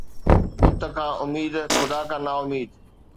بت کان اميد، خدا کان نااميد